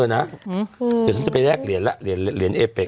เดี๋ยวซึ่งจะไปแรกเหรียญล่ะเหรียญเอเป็ก